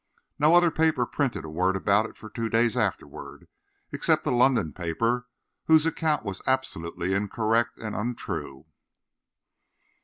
No other paper printed a word about it for two days afterward, except a London paper, whose account was absolutely incorrect and untrue.